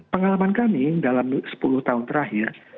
pengalaman kami dalam sepuluh tahun terakhir